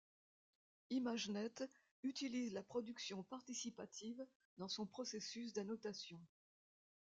ImageNet utilise la production participative dans son processus d'annotation.